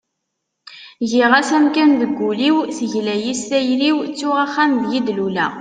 giɣ-as amkan deg ul-iw, tegla-yi s tayri-w, ttuɣ axxam deg i d-luleɣ